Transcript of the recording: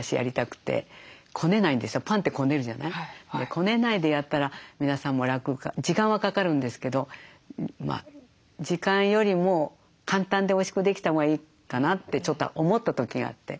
こねないでやったら皆さんも楽か時間はかかるんですけど時間よりも簡単でおいしくできたほうがいいかなってちょっと思った時があって。